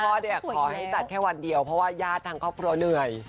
แล้วคุณพ่อเนี่ยขอให้จัดแค่วันเดียวเพราะว่าญาติทั้งครอบครัวเหนื่อย